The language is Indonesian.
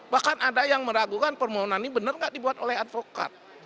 bahkan ada yang meragukan permohonan ini benar nggak dibuat oleh advokat